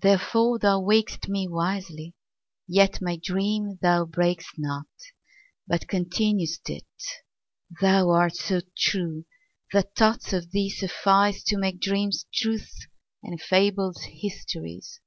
Therefore thou waked'st me wisely; yetMy dream thou brak'st not, but continued'st it:Thou art so true that thoughts of thee sufficeTo make dreams truths and fables histories.